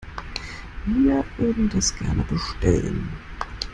Wir würden das gerne bestellen.